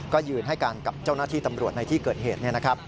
ก็ยืนให้การกับเจ้าหน้าที่ตำรวจในที่เกิดเหตุ